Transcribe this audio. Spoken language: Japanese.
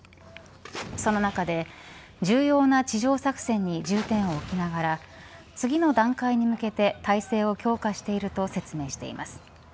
その中で重要な地上作戦に重点を置きながら次の段階に向けて態勢を強化していると説明しています。